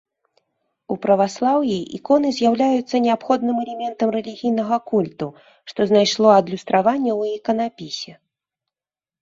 У праваслаўі іконы з'яўляецца неабходным элементам рэлігійнага культу, што знайшло адлюстраванне ў іканапісе.